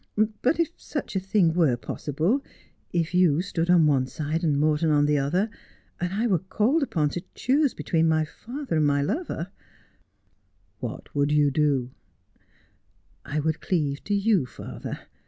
But if such a thing were possible — if you stood on one side and Morton on the other — and I were called upon to choose between my father and my lover *' This Man Killed my Father.' 33 ' What would you do 1 '' I would cleave to you, father.